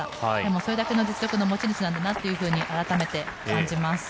それだけの実力の持ち主なんだなと改めて感じます。